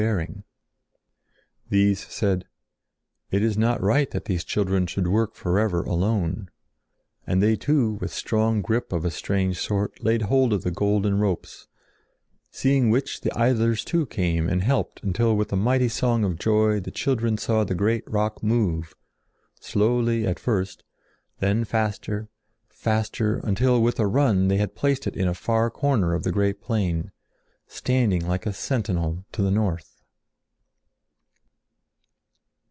[Illustration: CLEARING THE PLAIN] These said: "It is not right that these children should work for ever alone." And they too, with strong grip of a strange sort, laid hold of the golden ropes, seeing which, the idlers too came and helped until with a mighty song of joy the children saw the great rock move, slowly at first, then faster, faster, until with a run they had placed it in a far corner of the great plain, standing like a sentinel to the North.